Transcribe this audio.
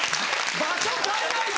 場所変えないと！